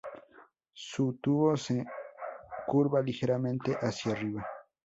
Su tubo se curva ligeramente hacia arriba.